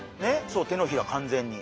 そう手のひら完全に。